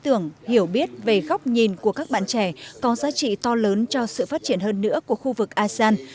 ý tưởng hiểu biết về góc nhìn của các bạn trẻ có giá trị to lớn cho sự phát triển hơn nữa của khu vực asean